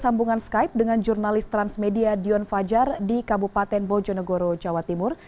sambungan skype dengan jurnalis transmedia dion fajar di kabupaten bojonegoro jawa timur